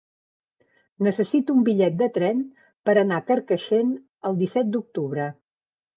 Necessito un bitllet de tren per anar a Carcaixent el disset d'octubre.